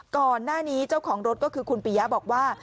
ก่อนหน้านี้เจ้าของรถก็คือคุณปียะบอกว่า